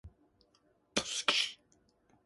永瀬廉はイケメンだ。